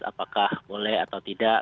apakah boleh atau tidak